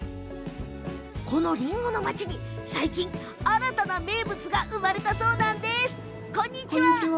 このりんごの町に最近、新たな名物が生まれたそうなんです。